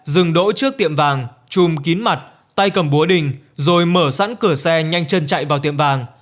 dừng đỗ trước tiệm vàng trùm kín mặt tay cầm búa đình rồi mở sẵn cửa xe nhanh chân chạy vào tiệm vàng